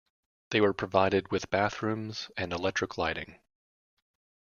They were provided with bathrooms and electric lighting.